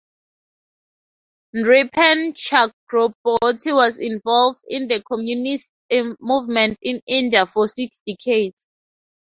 Nripen Chakraborty was involved in the Communist movement in India for six decades.